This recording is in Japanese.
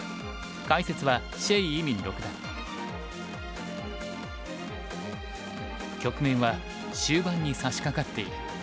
解説は局面は終盤にさしかかっている。